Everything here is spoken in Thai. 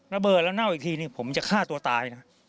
ระเบิดแล้วเน่าอีกทีนี่ผมจะฆ่าตัวตายนะ